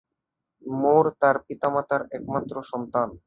মোর তার পিতামাতার একমাত্র সন্তান।